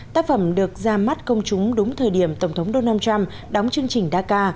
tác phẩm được ra mắt công chúng đúng thời điểm tổng thống donald trump đóng chương trình dak